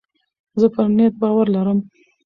زه پر نیت باور لرم.